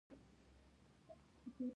چې مخموره څوک د حق په ميکده شي